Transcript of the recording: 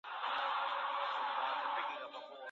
ماشومان به صحتمند لوی سي؟